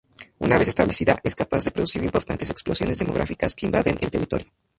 Una vez establecida, es capaz de producir importantes explosiones demográficas que invaden el territorio.